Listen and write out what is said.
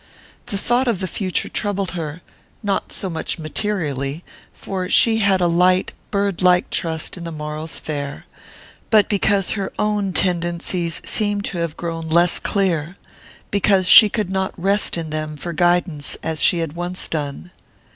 The thought of the future troubled her, not so much materially for she had a light bird like trust in the morrow's fare but because her own tendencies seemed to have grown less clear, because she could not rest in them for guidance as she had once done.